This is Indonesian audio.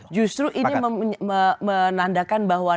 justru ini menandakan bahwa